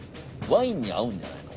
ワインに合うんじゃないの？